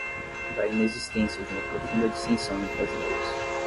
da inexistência de uma profunda dissenção entre as ideias